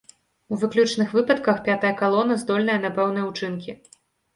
У выключных выпадках пятая калона здольная на пэўныя ўчынкі.